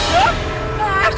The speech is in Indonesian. lihat aja lah waduh